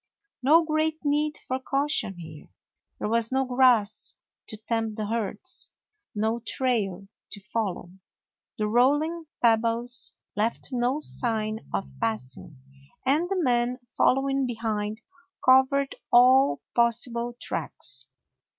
No great need for cau tion here. There was no grass to tempt the herds, no trail to follow. The rolling pebbles left no sign of passing, and the man, following behind, covered all possible tracks.